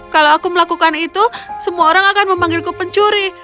kalau aku melakukan itu semua orang akan memanggilku pencuri